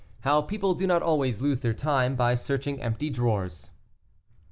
HOW PEOPLE DO NOT ALWAYS LOSE THEIR TIME BY SEARCHING EMPTY DRAWERS.